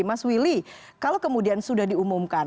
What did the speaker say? mas willy kalau kemudian sudah diumumkan